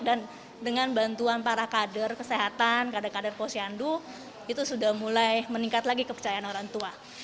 dan dengan bantuan para kader kesehatan kader kader posyandu itu sudah mulai meningkat lagi kepercayaan orang tua